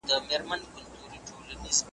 یاران به ناڅي نغمې به پاڅي .